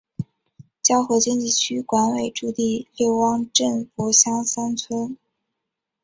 胶河经济区管委驻地六汪镇柏乡三村。